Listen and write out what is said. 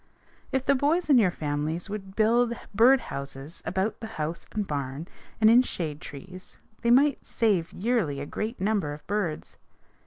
If the boys in your families would build bird houses about the house and barn and in shade trees, they might save yearly a great number of birds.